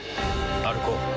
歩こう。